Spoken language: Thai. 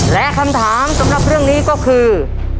และคำถามสำหรับเรื่องนี้ก็คือ